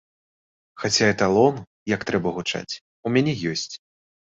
Хаця эталон, як трэба гучаць, у мяне ёсць.